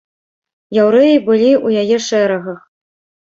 Яўрэі былі ў яе шэрагах.